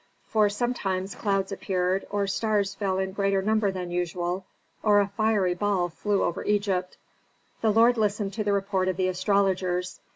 For sometimes clouds appeared or stars fell in greater number than usual, or a fiery ball flew over Egypt. The lord listened to the report of the astrologers.